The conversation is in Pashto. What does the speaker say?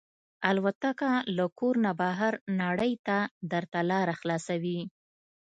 الوتکه له کور نه بهر نړۍ ته درته لاره خلاصوي.